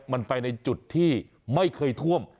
มันไปในจุดที่ไม่เคยท่วม